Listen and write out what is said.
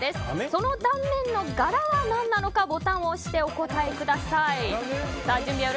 その断面の柄は何なのかボタンを押してお答えください。